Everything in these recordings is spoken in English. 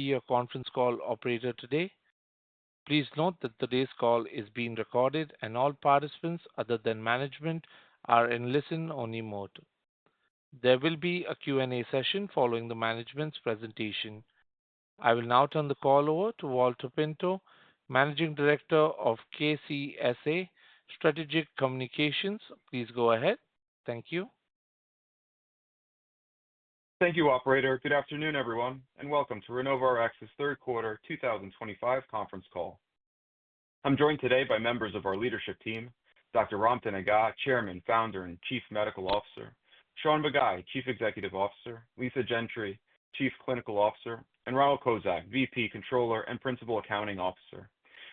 Be a conference call operator today. Please note that today's call is being recorded, and all participants other than management are in listen-only mode. There will be a Q&A session following the management's presentation. I will now turn the call over to Valter Pinto, Managing Director of KCSA Strategic Communications. Please go ahead. Thank you. Thank you, Operator. Good afternoon, everyone, and welcome to RenovoRx's third quarter 2025 conference call. I'm joined today by members of our leadership team: Dr. Ramtin Agah, Chairman, Founder, and Chief Medical Officer; Shaun Bagai, Chief Executive Officer; Leesa Gentry, Chief Clinical Officer; and Ron Kocak, VP, Controller, and Principal Accounting Officer.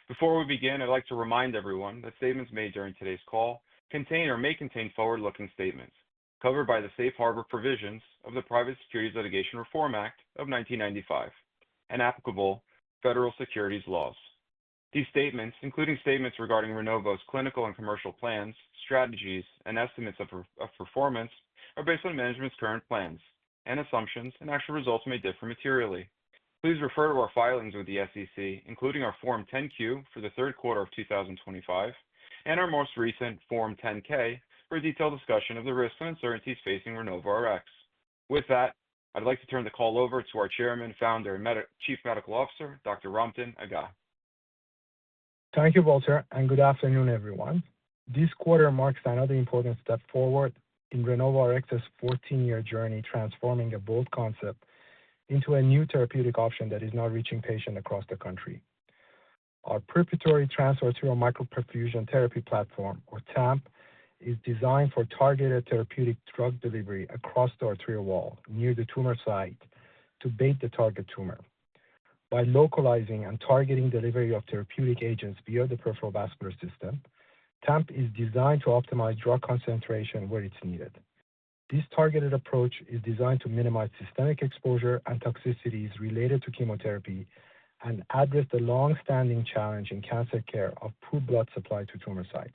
Before we begin, I'd like to remind everyone that statements made during today's call contain or may contain forward-looking statements covered by the Safe Harbor Provisions of the Private Securities Litigation Reform Act of 1995 and applicable federal securities laws. These statements, including statements regarding RenovoRx's clinical and commercial plans, strategies, and estimates of performance, are based on management's current plans and assumptions, and actual results may differ materially. Please refer to our filings with the SEC, including our Form 10-Q for the third quarter of 2025 and our most recent Form 10-K, for a detailed discussion of the risks and uncertainties facing RenovoRx. With that, I'd like to turn the call over to our Chairman, Founder, and Chief Medical Officer, Dr. Ramtin Agah. Thank you, Walter, and good afternoon, everyone. This quarter marks another important step forward in RenovoRx's 14-year journey, transforming a bold concept into a new therapeutic option that is now reaching patients across the country. Our Preparatory Transarterial Microperfusion Therapy Platform, or TAMP, is designed for targeted therapeutic drug delivery across the arterial wall near the tumor site to bait the target tumor. By localizing and targeting delivery of therapeutic agents beyond the peripheral vascular system, TAMP is designed to optimize drug concentration where it's needed. This targeted approach is designed to minimize systemic exposure and toxicities related to chemotherapy and address the longstanding challenge in cancer care of poor blood supply to tumor sites.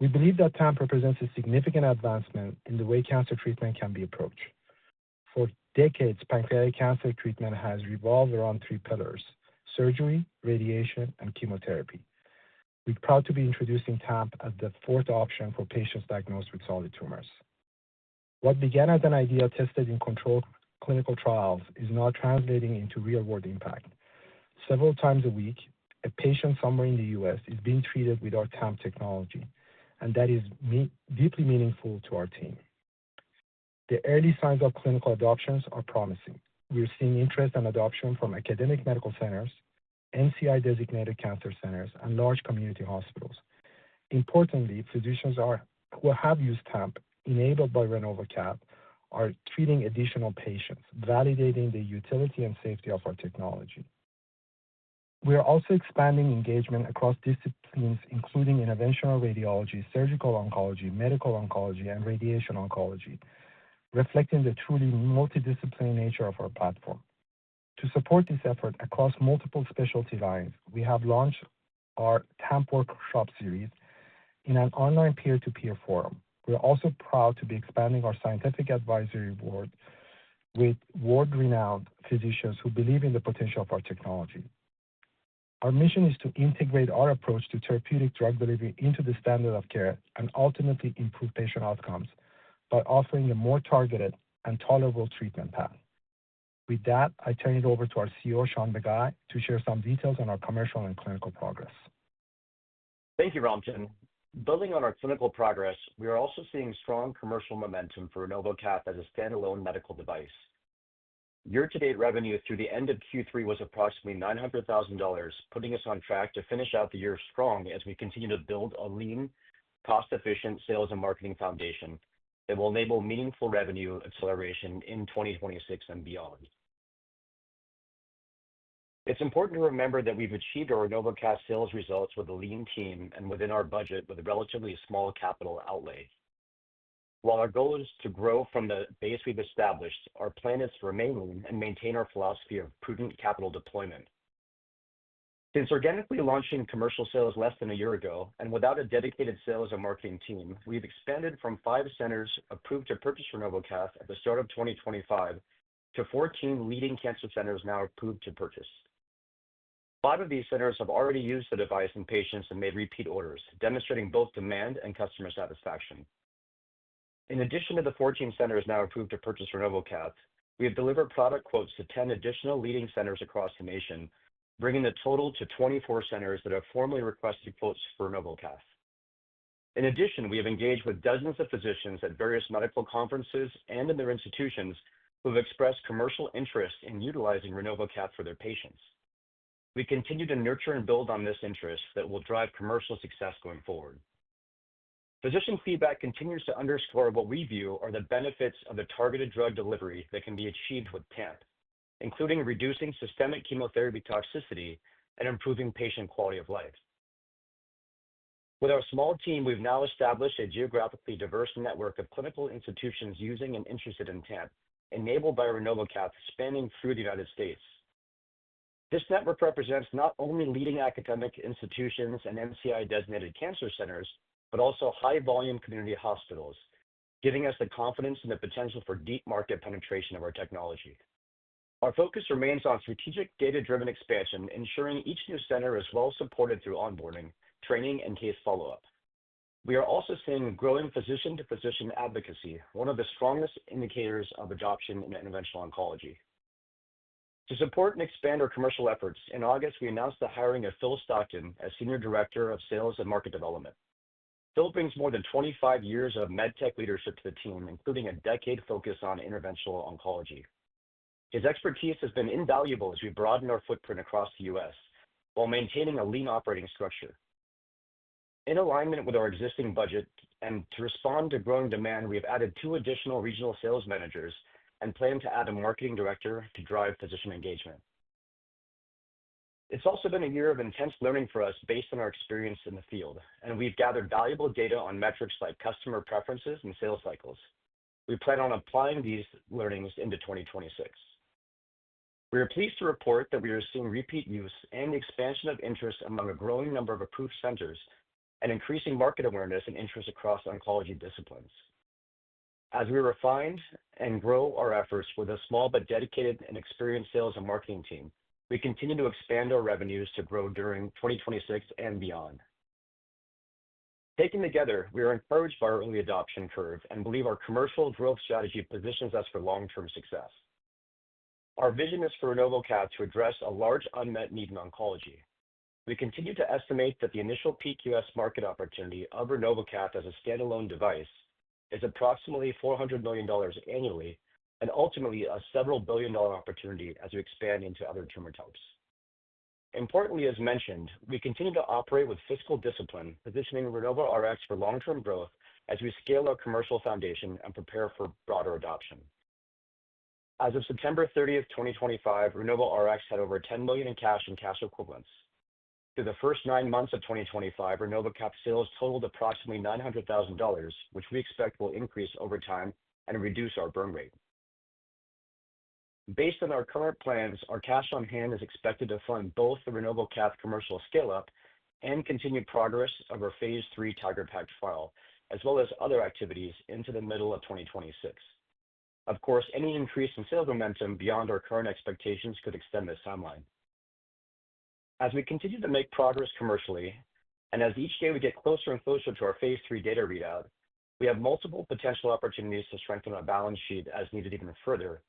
We believe that TAMP represents a significant advancement in the way cancer treatment can be approached. For decades, pancreatic cancer treatment has revolved around three pillars: surgery, radiation, and chemotherapy. We're proud to be introducing TAMP as the fourth option for patients diagnosed with solid tumors. What began as an idea tested in controlled clinical trials is now translating into real-world impact. Several times a week, a patient somewhere in the U.S. is being treated with our TAMP technology, and that is deeply meaningful to our team. The early signs of clinical adoption are promising. We're seeing interest and adoption from academic medical centers, NCI-designated cancer centers, and large community hospitals. Importantly, physicians who have used TAMP, enabled by RenovoCath, are treating additional patients, validating the utility and safety of our technology. We are also expanding engagement across disciplines, including interventional radiology, surgical oncology, medical oncology, and radiation oncology, reflecting the truly multidisciplinary nature of our platform. To support this effort across multiple specialty lines, we have launched our TAMP Workshop Series in an online peer-to-peer forum. We're also proud to be expanding our Scientific Advisory Board with world-renowned physicians who believe in the potential of our technology. Our mission is to integrate our approach to therapeutic drug delivery into the standard of care and ultimately improve patient outcomes by offering a more targeted and tolerable treatment path. With that, I turn it over to our CEO, Shaun Bagai, to share some details on our commercial and clinical progress. Thank you, Ramtin. Building on our clinical progress, we are also seeing strong commercial momentum for RenovoCath as a standalone medical device. Year-to-date revenue through the end of Q3 was approximately $900,000, putting us on track to finish out the year strong as we continue to build a lean, cost-efficient sales and marketing foundation that will enable meaningful revenue acceleration in 2026 and beyond. It's important to remember that we've achieved our RenovoCath sales results with a lean team and within our budget with a relatively small capital outlay. While our goal is to grow from the base we've established, our plan is to remain lean and maintain our philosophy of prudent capital deployment. Since organically launching commercial sales less than a year ago and without a dedicated sales and marketing team, we've expanded from five centers approved to purchase RenovoCath at the start of 2023 to 14 leading cancer centers now approved to purchase. Five of these centers have already used the device in patients and made repeat orders, demonstrating both demand and customer satisfaction. In addition to the 14 centers now approved to purchase RenovoCath, we have delivered product quotes to 10 additional leading centers across the nation, bringing the total to 24 centers that have formally requested quotes for RenovoCath. In addition, we have engaged with dozens of physicians at various medical conferences and in their institutions who have expressed commercial interest in utilizing RenovoCath for their patients. We continue to nurture and build on this interest that will drive commercial success going forward. Physician feedback continues to underscore what we view are the benefits of the targeted drug delivery that can be achieved with TAMP, including reducing systemic chemotherapy toxicity and improving patient quality of life. With our small team, we've now established a geographically diverse network of clinical institutions using and interested in TAMP, enabled by RenovoCath, spanning through the United States. This network represents not only leading academic institutions and NCI-designated cancer centers, but also high-volume community hospitals, giving us the confidence and the potential for deep market penetration of our technology. Our focus remains on strategic data-driven expansion, ensuring each new center is well-supported through onboarding, training, and case follow-up. We are also seeing growing physician-to-physician advocacy, one of the strongest indicators of adoption in interventional oncology. To support and expand our commercial efforts, in August, we announced the hiring of Phil Stockton as Senior Director of Sales and Market Development. Phil brings more than 25 years of MedTech leadership to the team, including a decade focused on interventional oncology. His expertise has been invaluable as we broaden our footprint across the U.S. while maintaining a lean operating structure. In alignment with our existing budget and to respond to growing demand, we have added two additional regional sales managers and plan to add a Marketing Director to drive physician engagement. It's also been a year of intense learning for us based on our experience in the field, and we've gathered valuable data on metrics like customer preferences and sales cycles. We plan on applying these learnings into 2026. We are pleased to report that we are seeing repeat use and expansion of interest among a growing number of approved centers and increasing market awareness and interest across oncology disciplines. As we refine and grow our efforts with a small but dedicated and experienced sales and marketing team, we continue to expand our revenues to grow during 2026 and beyond. Taken together, we are encouraged by our early adoption curve and believe our commercial growth strategy positions us for long-term success. Our vision is for RenovoCath to address a large unmet need in oncology. We continue to estimate that the initial peak U.S. market opportunity of RenovoCath as a standalone device is approximately $400 million annually and ultimately a several-billion-dollar opportunity as we expand into other tumor types. Importantly, as mentioned, we continue to operate with fiscal discipline, positioning RenovoRx for long-term growth as we scale our commercial foundation and prepare for broader adoption. As of September 30, 2025, RenovoRx had over $10 million in cash and cash equivalents. Through the first nine months of 2025, RenovoCath's sales totaled approximately $900,000, which we expect will increase over time and reduce our burn rate. Based on our current plans, our cash on hand is expected to fund both the RenovoCath commercial scale-up and continued progress of our Phase III TIGeR-PaC trial, as well as other activities into the middle of 2026. Of course, any increase in sales momentum beyond our current expectations could extend this timeline. As we continue to make progress commercially and as each day we get closer and closer to our phase III data readout, we have multiple potential opportunities to strengthen our balance sheet as needed even further,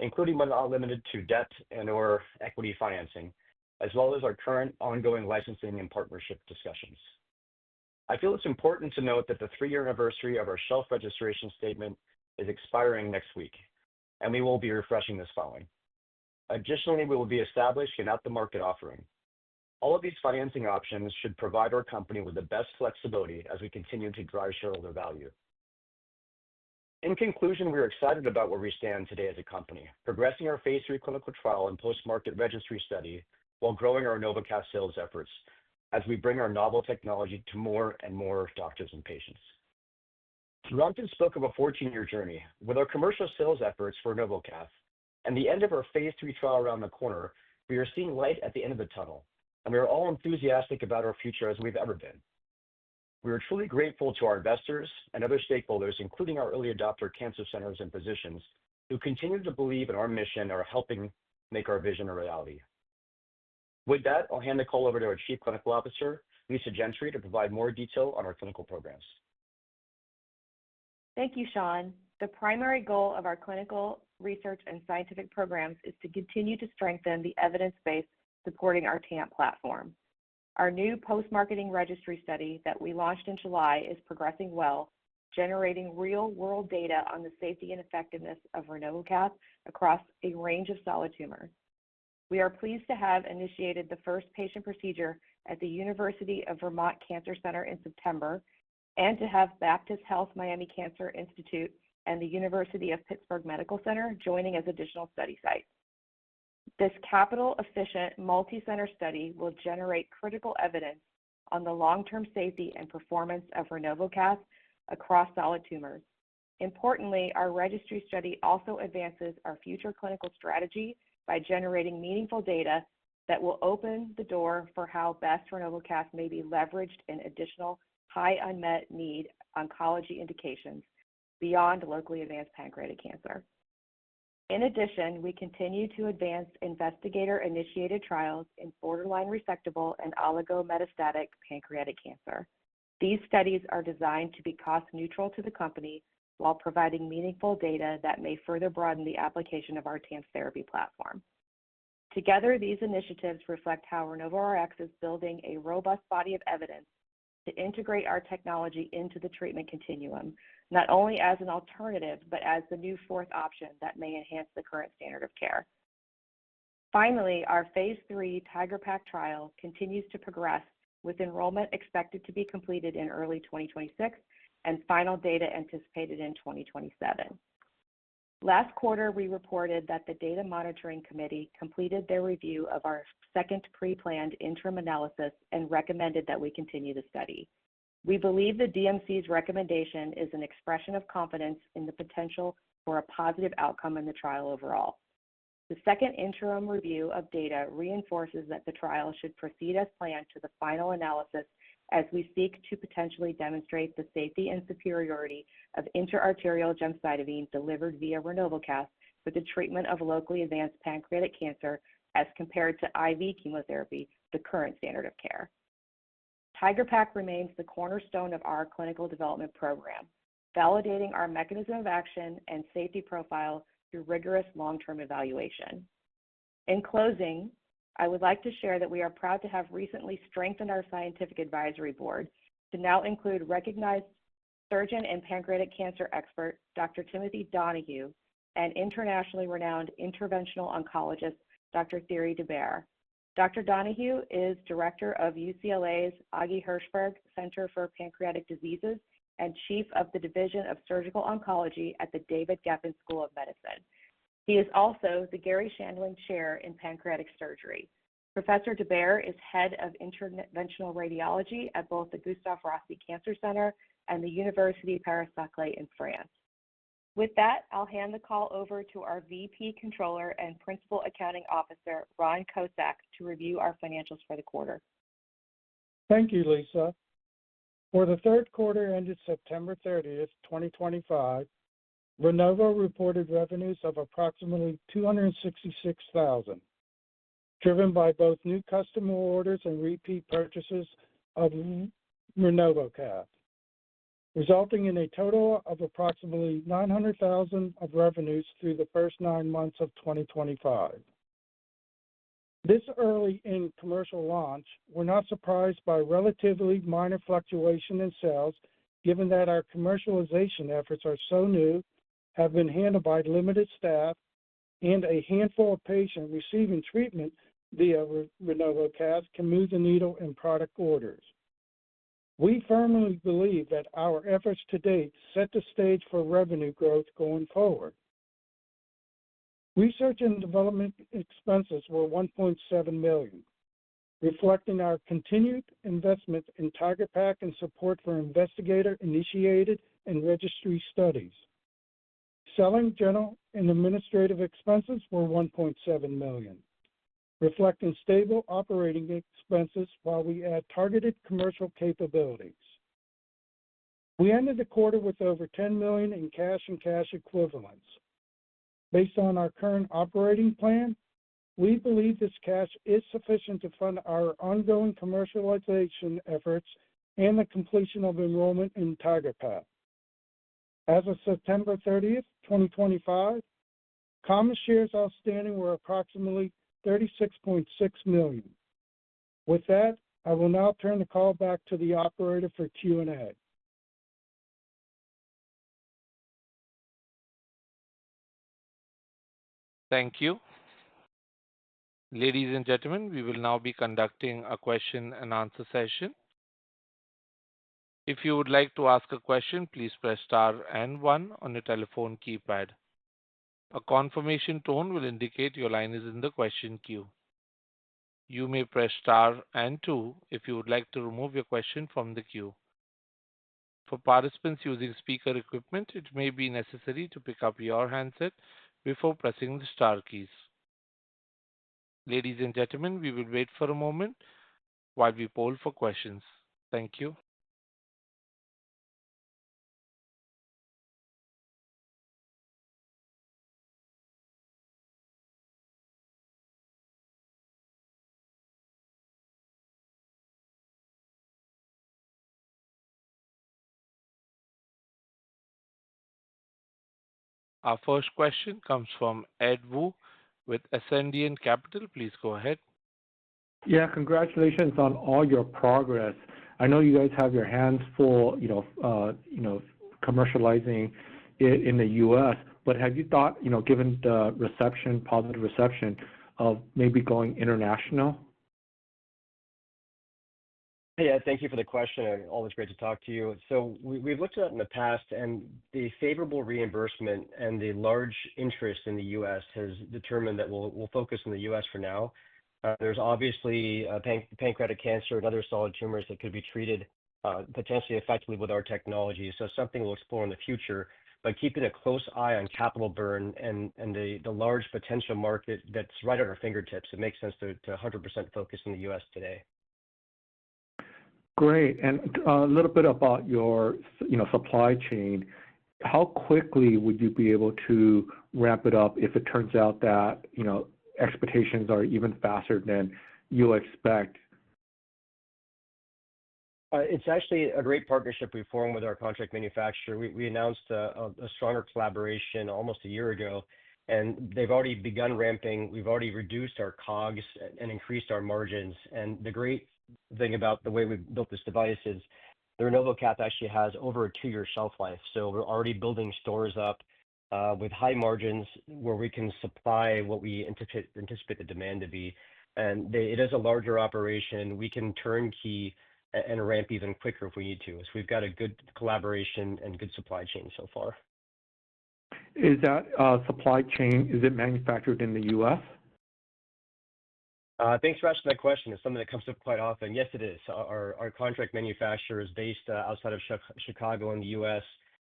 including but not limited to debt and/or equity financing, as well as our current ongoing licensing and partnership discussions. I feel it's important to note that the three-year anniversary of our shelf registration statement is expiring next week, and we will be refreshing this filing. Additionally, we will be establishing an out-of-the-market offering. All of these financing options should provide our company with the best flexibility as we continue to drive shareholder value. In conclusion, we are excited about where we stand today as a company, progressing our phase III clinical trial and post-marketing registry study while growing our RenovoCath sales efforts as we bring our novel technology to more and more doctors and patients. Ramtin spoke of a 14-year journey. With our commercial sales efforts for RenovoCath and the end of our phase III trial around the corner, we are seeing light at the end of the tunnel, and we are all as enthusiastic about our future as we've ever been. We are truly grateful to our investors and other stakeholders, including our early adopter cancer centers and physicians, who continue to believe in our mission and are helping make our vision a reality. With that, I'll hand the call over to our Chief Clinical Officer, Lisa Gentry, to provide more detail on our clinical programs. Thank you, Shaun. The primary goal of our clinical research and scientific programs is to continue to strengthen the evidence base supporting our TAMP platform. Our new post-marketing registry study that we launched in July is progressing well, generating real-world data on the safety and effectiveness of RenovoCath across a range of solid tumors. We are pleased to have initiated the first patient procedure at the University of Vermont Cancer Center in September and to have Baptist Health Miami Cancer Institute and the University of Pittsburgh Medical Center joining as additional study sites. This capital-efficient multi-center study will generate critical evidence on the long-term safety and performance of RenovoCath across solid tumors. Importantly, our registry study also advances our future clinical strategy by generating meaningful data that will open the door for how best RenovoCath may be leveraged in additional high unmet need oncology indications beyond locally advanced pancreatic cancer. In addition, we continue to advance investigator-initiated trials in borderline resectable and oligometastatic pancreatic cancer. These studies are designed to be cost-neutral to the company while providing meaningful data that may further broaden the application of our TAMP therapy platform. Together, these initiatives reflect how RenovoRx is building a robust body of evidence to integrate our technology into the treatment continuum, not only as an alternative but as the new fourth option that may enhance the current standard of care. Finally, our Phase III TIGeR-PaC trial continues to progress, with enrollment expected to be completed in early 2026 and final data anticipated in 2027. Last quarter, we reported that the Data Monitoring Committee completed their review of our second pre-planned interim analysis and recommended that we continue the study. We believe the DMC's recommendation is an expression of confidence in the potential for a positive outcome in the trial overall. The second interim review of data reinforces that the trial should proceed as planned to the final analysis as we seek to potentially demonstrate the safety and superiority of intra-arterial gemcitabine delivered via RenovoCath for the treatment of locally advanced pancreatic cancer as compared to IV chemotherapy, the current standard of care. TIGeR-PaC remains the cornerstone of our clinical development program, validating our mechanism of action and safety profile through rigorous long-term evaluation. In closing, I would like to share that we are proud to have recently strengthened our Scientific Advisory Board to now include recognized surgeon and pancreatic cancer expert, Dr. Timothy Donohue, and internationally renowned interventional oncologist, Dr. Thierry de Baere. Dr. Donohue is Director of UCLA's Augie Hershberg Center for Pancreatic Diseases and Chief of the Division of Surgical Oncology at the David Geffen School of Medicine. He is also the Gary Shandling Chair in Pancreatic Surgery. Professor de Baere is Head of Interventional Radiology at both the Gustave Roussy Cancer Center and the Université Paris-Saclay in France. With that, I'll hand the call over to our VP, Controller, and Principal Accounting Officer, Ron Kocak, to review our financials for the quarter. Thank you, Lisa. For the third quarter ended September 30, 2025, RenovoRx reported revenues of approximately $266,000, driven by both new customer orders and repeat purchases of RenovoCath, resulting in a total of approximately $900,000 of revenues through the first nine months of 2025. This early in commercial launch, we're not surprised by relatively minor fluctuation in sales, given that our commercialization efforts are so new, have been handled by limited staff, and a handful of patients receiving treatment via RenovoCath can move the needle in product orders. We firmly believe that our efforts to date set the stage for revenue growth going forward. Research and development expenses were $1.7 million, reflecting our continued investment in TIGeR-PaC and support for investigator-initiated and registry studies. Selling, general and administrative expenses were $1.7 million, reflecting stable operating expenses while we add targeted commercial capabilities. We ended the quarter with over $10 million in cash and cash equivalents. Based on our current operating plan, we believe this cash is sufficient to fund our ongoing commercialization efforts and the completion of enrollment in TIGeR-PaC. As of September 30, 2025, common shares outstanding were approximately 36.6 million. With that, I will now turn the call back to the operator for Q&A. Thank you. Ladies and gentlemen, we will now be conducting a question-and-answer session. If you would like to ask a question, please press Star and 1 on your telephone keypad. A confirmation tone will indicate your line is in the question queue. You may press Star and 2 if you would like to remove your question from the queue. For participants using speaker equipment, it may be necessary to pick up your handset before pressing the Star keys. Ladies and gentlemen, we will wait for a moment while we poll for questions. Thank you. Our first question comes from Ed Wu with Ascendiant Capital. Please go ahead. Yeah, congratulations on all your progress. I know you guys have your hands full, you know, commercializing it in the U.S., but have you thought, you know, given the reception, positive reception of maybe going international? Yeah, thank you for the question. Always great to talk to you. We've looked at it in the past, and the favorable reimbursement and the large interest in the U.S. has determined that we'll focus in the U.S. for now. There's obviously pancreatic cancer and other solid tumors that could be treated potentially effectively with our technology. It's something we'll explore in the future, but keeping a close eye on capital burn and the large potential market that's right at our fingertips, it makes sense to 100% focus in the U.S. today. Great. A little bit about your, you know, supply chain. How quickly would you be able to ramp it up if it turns out that, you know, expectations are even faster than you expect? It's actually a great partnership we've formed with our contract manufacturer. We announced a stronger collaboration almost a year ago, and they've already begun ramping. We've already reduced our COGS and increased our margins. The great thing about the way we've built this device is the RenovoCath actually has over a two-year shelf life. We're already building stores up with high margins where we can supply what we anticipate the demand to be. It is a larger operation. We can turnkey and ramp even quicker if we need to. We've got a good collaboration and good supply chain so far. Is that supply chain, is it manufactured in the U.S.? Thanks for asking that question. It's something that comes up quite often. Yes, it is. Our contract manufacturer is based outside of Chicago in the U.S.,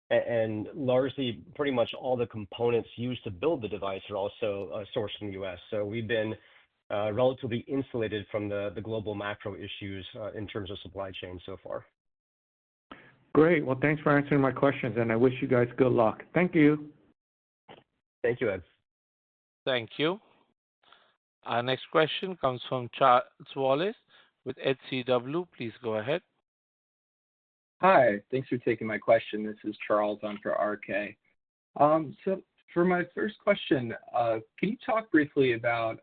and largely pretty much all the components used to build the device are also sourced from the U.S. We've been relatively insulated from the global macro issues in terms of supply chain so far. Great. Thanks for answering my questions, and I wish you guys good luck. Thank you. Thank you, Ed. Thank you. Our next question comes from Charles Wallace with HC Wainwright. Please go ahead. Hi. Thanks for taking my question. This is Charles. I'm for RK. For my first question, can you talk briefly about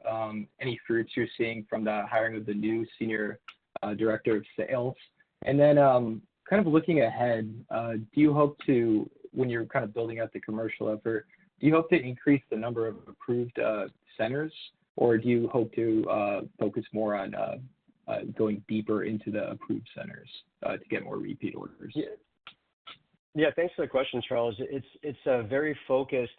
any fruits you're seeing from the hiring of the new Senior Director of Sales? Looking ahead, when you're kind of building out the commercial effort, do you hope to increase the number of approved centers, or do you hope to focus more on going deeper into the approved centers to get more repeat orders? Yeah, thanks for the question, Charles. It's a very focused,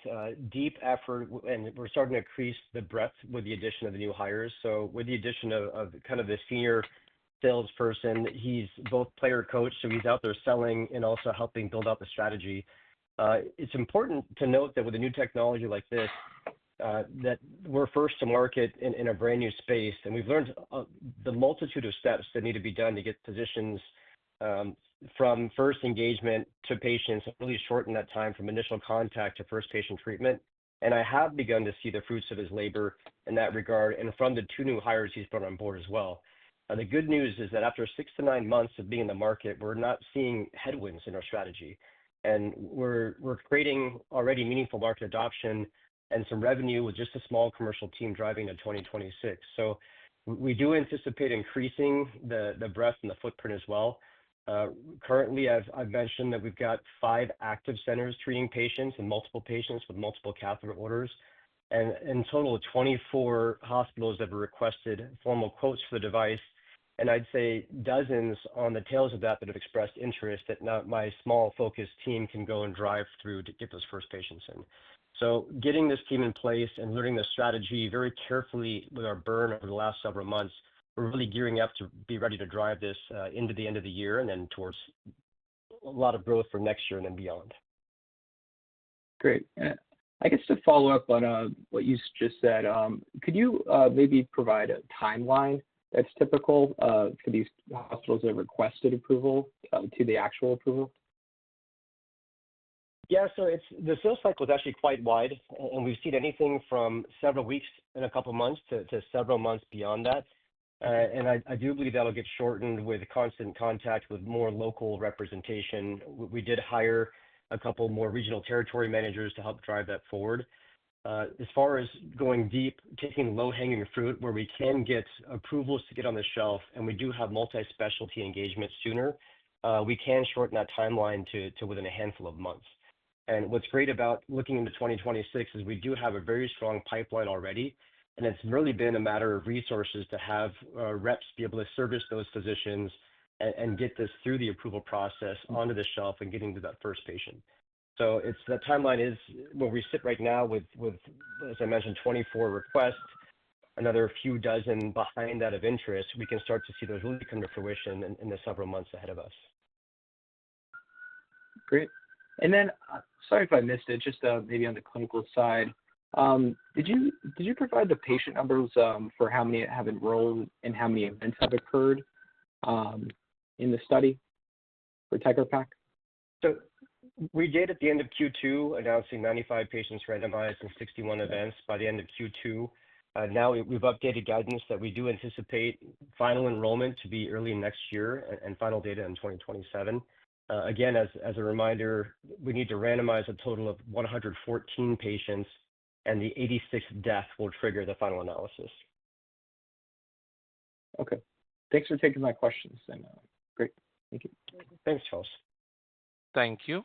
deep effort, and we're starting to increase the breadth with the addition of the new hires. With the addition of kind of the senior salesperson, he's both player-coach, so he's out there selling and also helping build out the strategy. It's important to note that with a new technology like this, that we're first to market in a brand new space, and we've learned the multitude of steps that need to be done to get positions from first engagement to patients, really shorten that time from initial contact to first patient treatment. I have begun to see the fruits of his labor in that regard, and from the two new hires he's brought on board as well. The good news is that after six to nine months of being in the market, we're not seeing headwinds in our strategy. We're creating already meaningful market adoption and some revenue with just a small commercial team driving in 2026. We do anticipate increasing the breadth and the footprint as well. Currently, I've mentioned that we've got five active centers treating patients and multiple patients with multiple catheter orders, and in total, 24 hospitals that have requested formal quotes for the device. I'd say dozens on the tails of that that have expressed interest that my small focus team can go and drive through to get those first patients in. Getting this team in place and learning the strategy very carefully with our burn over the last several months, we're really gearing up to be ready to drive this into the end of the year and then towards a lot of growth for next year and then beyond. Great. I guess to follow up on what you just said, could you maybe provide a timeline that's typical for these hospitals that have requested approval to the actual approval? Yeah. The sales cycle is actually quite wide, and we've seen anything from several weeks in a couple of months to several months beyond that. I do believe that'll get shortened with constant contact with more local representation. We did hire a couple more regional territory managers to help drive that forward. As far as going deep, taking low-hanging fruit where we can get approvals to get on the shelf, and we do have multi-specialty engagement sooner, we can shorten that timeline to within a handful of months. What's great about looking into 2026 is we do have a very strong pipeline already, and it's really been a matter of resources to have reps be able to service those physicians and get this through the approval process onto the shelf and getting to that first patient. The timeline is where we sit right now with, as I mentioned, 24 requests, another few dozen behind that of interest. We can start to see those really come to fruition in the several months ahead of us. Great. Sorry if I missed it, just maybe on the clinical side, did you provide the patient numbers for how many have enrolled and how many events have occurred in the study for TIGeR-PaC? We did at the end of Q2, announcing 95 patients randomized and 61 events by the end of Q2. Now we've updated guidance that we do anticipate final enrollment to be early next year and final data in 2027. Again, as a reminder, we need to randomize a total of 114 patients, and the 86 deaths will trigger the final analysis. Okay. Thanks for taking my questions. Great. Thank you. Thanks, Charles. Thank you.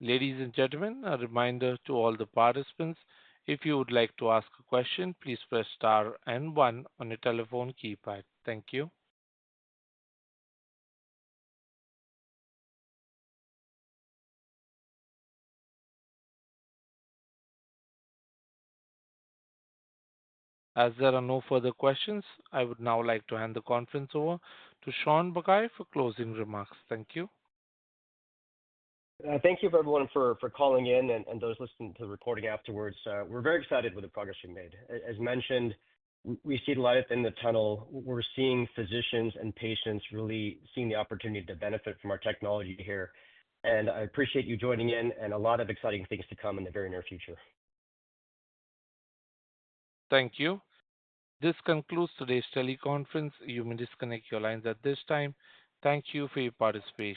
Ladies and gentlemen, a reminder to all the participants, if you would like to ask a question, please press Star and 1 on your telephone keypad. Thank you. As there are no further questions, I would now like to hand the conference over to Shaun Bagai for closing remarks. Thank you. Thank you for everyone for calling in and those listening to the recording afterwards. We're very excited with the progress we've made. As mentioned, we see light at the end of the tunnel. We're seeing physicians and patients really seeing the opportunity to benefit from our technology here. I appreciate you joining in, and a lot of exciting things to come in the very near future. Thank you. This concludes today's teleconference. You may disconnect your lines at this time. Thank you for your participation.